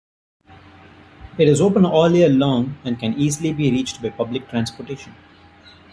It is open all year long and can easily be reached by public transportation.